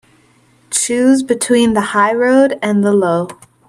Choose between the high road and the low.